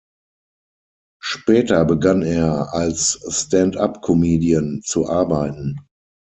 Später begann er, als Stand-up-Comedian zu arbeiten.